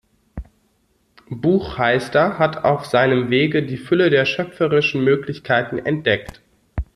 Buchheister hat auf seinem Wege die Fülle der schöpferischen Möglichkeiten entdeckt.